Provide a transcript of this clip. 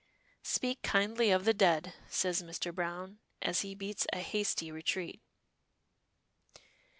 "Speak kindly of the dead," says Mr. Browne, as he beats a hasty retreat.